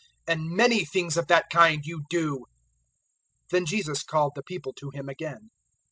And many things of that kind you do." 007:014 Then Jesus called the people to Him again.